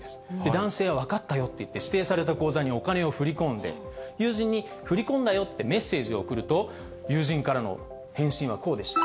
男性は分かったよって言って、指定された口座にお金を振り込んで、友人に振り込んだよってメッセージを送ると、友人からの返信はこうでした。